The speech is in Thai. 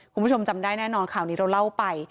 คุณผู้ชมจำได้แน่นอนข่าวนี้เราเล่าไป